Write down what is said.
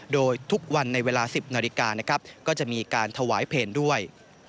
โดยทุกวันในเวลา๑๐นาฬิกานะครับก็จะมีการถวายเพลงด้วย